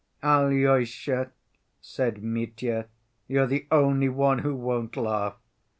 "Alyosha," said Mitya, "you're the only one who won't laugh.